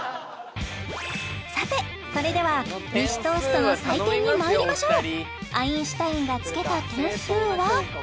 さてそれでは西トーストの採点にまいりましょうアインシュタインがつけた点数は？